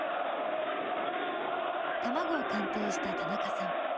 卵を鑑定した田中さん。